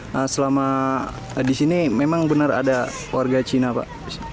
nah selama di sini memang benar ada warga cina pak